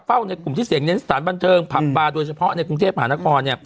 ในกลุ่มที่เสี่ยงเน้นสถานบันเทิงผับบาร์โดยเฉพาะในกรุงเทพหานคร